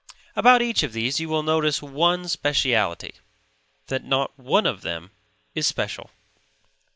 About each of these you will notice one speciality; that not one of them is special.